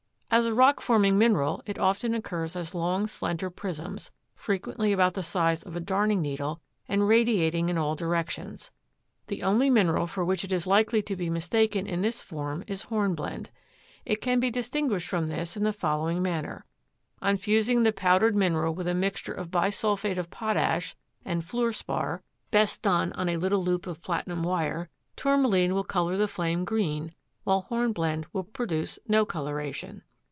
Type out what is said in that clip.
As a rock forming mineral it often occurs as long, slender prisms, frequently about the size of a darning needle and radiating in all directions. The only mineral for which it is likely to be mistaken in this form is Hornblende. It can be distinguished from this in the following manner: On fusing the powdered mineral with a mixture of bisulphate of potash and fluor spar (best done on a little loop of platinum wire) Tourmaline will color the flame green, while Hornblende will produce no coloration.